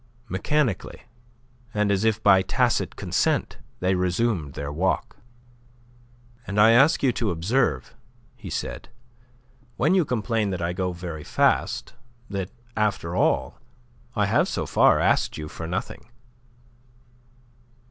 Mechanically, and as if by tacit consent, they resumed their walk. "And I ask you to observe," he said, "when you complain that I go very fast, that, after all, I have so far asked you for nothing."